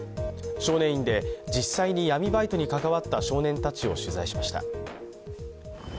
少年院で実際に闇バイトに関わった少年たちを取材しました。